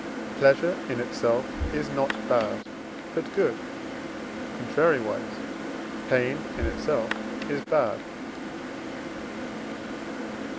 Pleasure in itself is not bad but good: contrariwise, pain in itself is bad.